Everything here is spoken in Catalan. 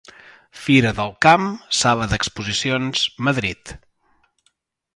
Fira del Camp, Sala d'Exposicions, Madrid.